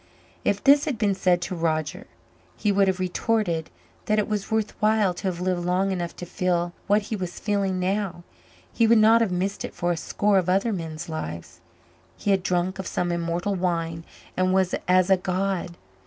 If this had been said to Roger he would have retorted that it was worthwhile to have lived long enough to feel what he was feeling now. He would not have missed it for a score of other men's lives. He had drunk of some immortal wine and was as a god.